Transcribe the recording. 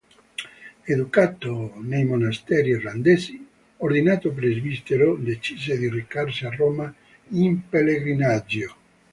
Educato nei monasteri irlandesi, ordinato presbitero decise di recarsi a Roma in pellegrinaggio.